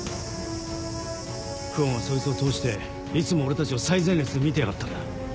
久遠はそいつを通していつも俺たちを最前列で見てやがったんだ。